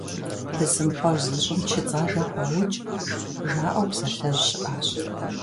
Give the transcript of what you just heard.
«Бысымхъуэж зыщӀым чыцӀ ажэ хуаукӀ», - жаӀэу псалъэжь щыӀэщ.